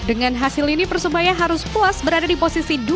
dengan hasil ini persebaya harus puas berada di posisi dua